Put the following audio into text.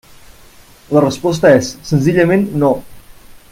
La resposta és: senzillament no.